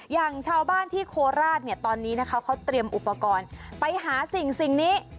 อย่างชาวบ้านที่โคราชเนี่ยตอนนี้นะคะเขาเตรียมอุปกรณ์ไปหาสิ่งนี้